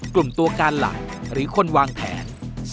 กลุ่มตัวการหลักหรือคนวางแผน